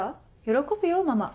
喜ぶよママ。